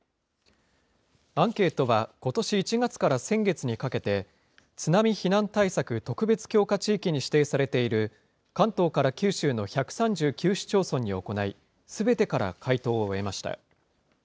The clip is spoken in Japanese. アンケートはことし１月から先月にかけて、津波避難対策特別強化地域に指定されている関東から九州の１３９市町村に行い、すべてから回答を得ました。